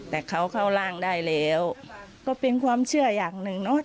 แต่เขาเข้าร่างได้แล้วก็เป็นความเชื่ออย่างหนึ่งเนอะ